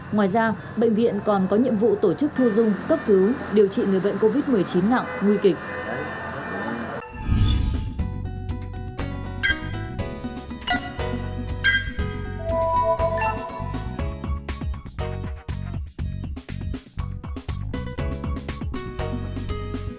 ngoài ra bệnh viện còn có nhiệm vụ tổ chức thu dung cấp cứu điều trị người bệnh covid một mươi chín nặng nguy kịch